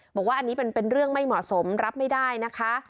บอกว่าอันนี้เป็นเรื่องไม่เหมาะสมรับไม่ได้นะคะ